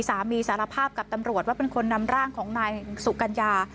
สารภาพกับตำรวจว่าเป็นคนนำร่างของนายสุกัญญา